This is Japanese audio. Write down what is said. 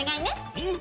うん！